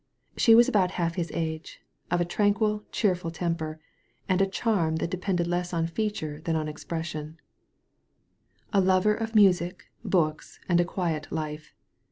She was about half his age; of a tranquil, cheerful temper and a charm that depended less on feature than on expression; a lover of music, books, and a quiet life.